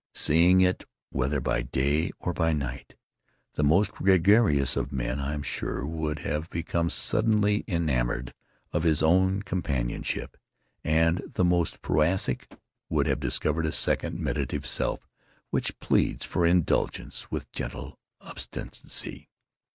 Seeing it, whether by day or by night, the most gregarious of men, I am sure, would have become suddenly enamored of his own companionship and the most prosaic would have discovered a second, meditative self which pleads for indulgence with gentle obstinacy.